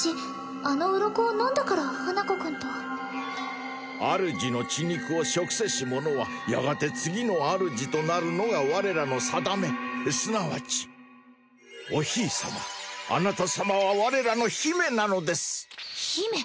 あのウロコを飲んだから花子くんと主の血肉を食せし者はやがて次の主となるのが我らの定めすなわちおひいさまあなた様は我らの姫なのです姫！？